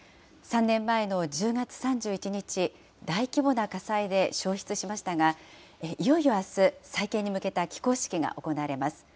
３年前の１０月３１日、大規模な火災で焼失しましたが、いよいよあす、再建に向けた起工式が行われます。